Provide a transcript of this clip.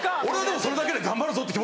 俺はでもそれだけで頑張るぞ！